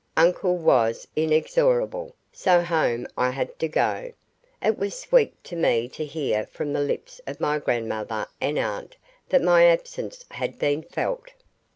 Uncle was inexorable, so home I had to go. It was sweet to me to hear from the lips of my grandmother and aunt that my absence had been felt.